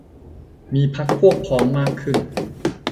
มีพรรคพวกพ้องมากขึ้น